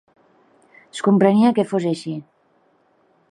Es comprenia que fos així.